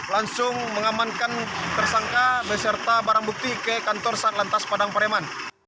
langsung mengamankan tersangka beserta barang bukti ke kantor satlantas padang pareman